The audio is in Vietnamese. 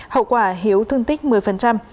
hậu quả hiếu thương tích một mươi